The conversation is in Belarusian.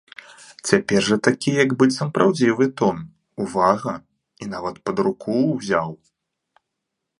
Цяпер жа такі як быццам праўдзівы тон, увага, і нават пад руку ўзяў.